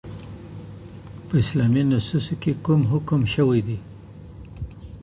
په اسلامي نصوصو کې کوم حکم شوی دی؟